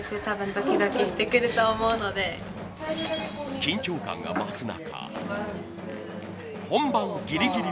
緊張感が増す中。